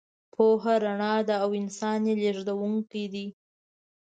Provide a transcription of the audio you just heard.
پوهه رڼا ده او انسان یې لېږدونکی دی.